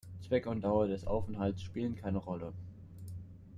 Zweck und Dauer des Aufenthaltes spielen keine Rolle.